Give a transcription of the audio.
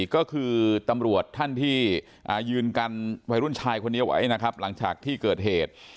ก็คือตำรวจท่านที่ยืนกันวัยรุ่นชายคนนี้ไว้นะครับหลังจากที่เกิดเหตุ